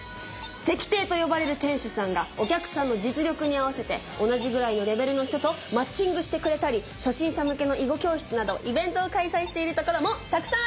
席亭と呼ばれる店主さんがお客さんの実力に合わせて同じぐらいのレベルの人とマッチングしてくれたり初心者向けの囲碁教室などイベントを開催しているところもたくさんあるんです！